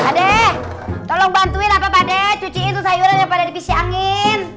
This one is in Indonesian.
padeh tolong bantuin apa padeh cuciin tuh sayuran yang pada dipisih angin